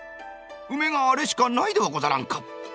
ウメがあれしかないではござらんか」。